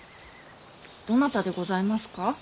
どなたでございますか。